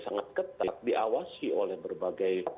sangat ketat diawasi oleh berbagai